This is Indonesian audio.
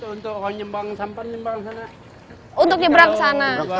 untuk nyebrang sana untuk nyebrang sana